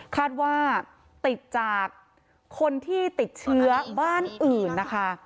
คาดว่าติดจากคนที่ติดเชื้อบ้านอื่นนะคะ